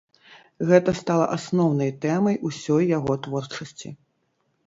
Гэта стала асноўнай тэмай усёй яго творчасці.